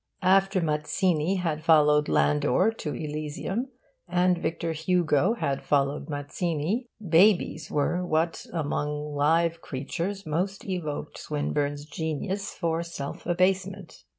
After Mazzini had followed Landor to Elysium, and Victor Hugo had followed Mazzini, babies were what among live creatures most evoked Swinburne's genius for self abasement.